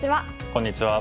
こんにちは。